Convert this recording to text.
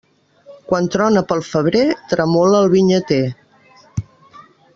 Quan trona pel febrer, tremola el vinyater.